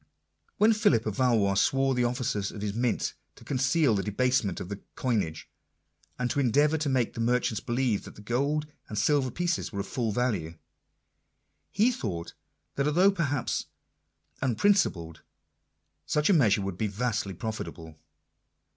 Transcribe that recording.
When Philip of Valois swore the officers of his mint to conceal the debasement of the coinage, and to endeavour to make the merchants believe that the gold and silver pieces were of full value, he thought that although perhaps unprin cipled, such a measure would be vastly profitable.